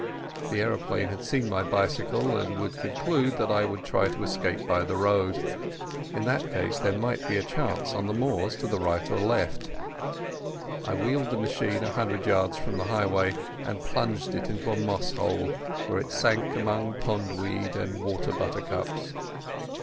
The aeroplane had seen my bicycle, and would conclude that I would try to escape by the road. In that case there might be a chance on the moors to the right or left. I wheeled the machine a hundred yards from the highway, and plunged it into a moss hole, where it sank among pond weed and water buttercups.